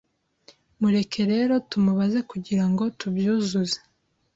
mureke rero tumubaze kugirango tubyuzuze